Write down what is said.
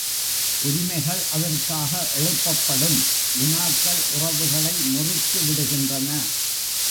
உரிமைகள் அதற்காக எழுப்பப்படும் வினாக்கள் உறவுகளை முறித்து விடுகின்றன.